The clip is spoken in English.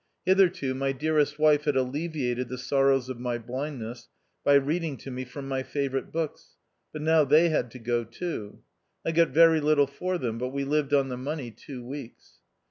Hitherto, my dearest wife had alleviated the sorrows of my blindness, by reading to me from my favourite books, but now they had to go too. I got very little for them, but we lived on the money two weeks.